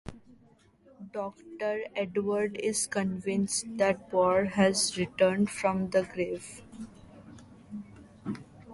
Doctor Edward is convinced that Bauer has returned from the grave.